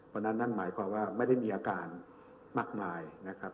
เพราะฉะนั้นเหมือนว่าไม่ได้มีอาการมากมายนะครับ